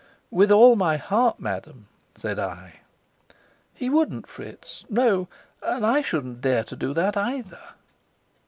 "With all my heart, madam," said I. "He wouldn't, Fritz. No, and I shouldn't dare to do that, either."